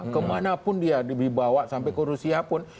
kemana pun dia dibawa sampai ke rusia pun